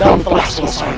dan telah selesai